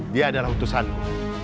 dia adalah hutusanku